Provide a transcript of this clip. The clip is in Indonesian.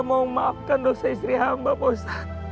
mau memaafkan dosa istri hamba